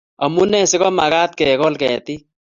Amune si komagat kegol ketik?